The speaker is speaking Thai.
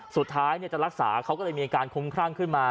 สุดท้ายจะรักษาเขาก็เลยมีอาการคุ้มครั่งขึ้นมา